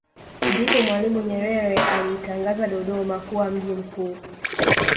Ndipo Mwalimu Nyerere aliitangaza Dodoma kuwa mji mkuu